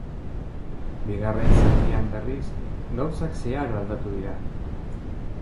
Bigarren zatian, berriz, gauzak zeharo aldatu dira.